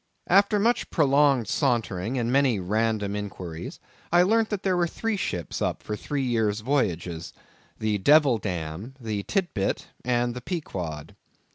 After much prolonged sauntering and many random inquiries, I learnt that there were three ships up for three years' voyages—The Devil dam, the Tit bit, and the Pequod.